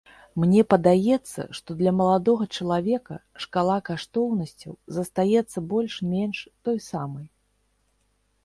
Мне падаецца, што для маладога чалавека шкала каштоўнасцяў застаецца больш-менш той самай.